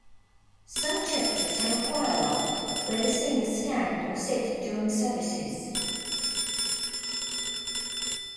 Some churches have a choir loft, where the singers stand or sit during services.